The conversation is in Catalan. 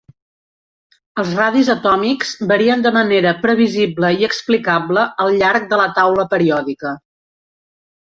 Els radis atòmics varien de manera previsible i explicable al llarg de la taula periòdica.